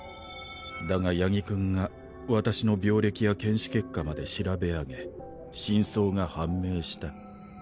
だが八木くんが私の病歴や検死結果まで調べ上げ真相が判明した。